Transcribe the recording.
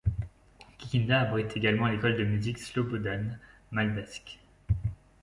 Kikinda abrite également l'école de musique Slobodan Malbašk.